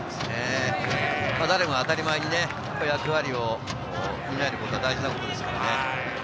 誰も当たり前に役割を担えることは大事ですからね。